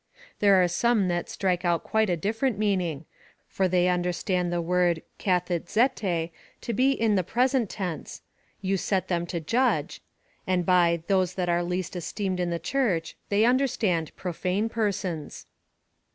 There are some that strike out a quite different meaning, for they understand the word Kadt^ere to be in the j)resent tense ■— You set them to judge, and by those that are least esteemed in the Church they understand profane persons.